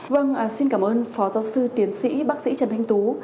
vâng xin cảm ơn phó giáo sư tiến sĩ bác sĩ trần thanh tú